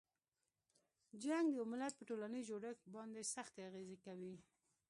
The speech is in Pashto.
جنګ د یوه ملت په ټولنیز جوړښت باندې سختې اغیزې کوي.